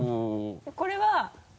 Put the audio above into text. これは。